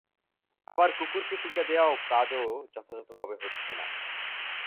আবার কুকুরকে টিকা দেয়ার কাজও যথাযথভাবে হচ্ছে না।